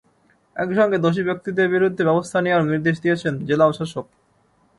একই সঙ্গে দোষী ব্যক্তিদের বিরুদ্ধে ব্যবস্থা নেওয়ারও নির্দেশ দিয়েছেন জেলা প্রশাসক।